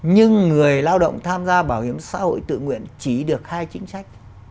nhưng người lao động tham gia bảo hiểm xã hội tự nguyện chỉ được hai chính sách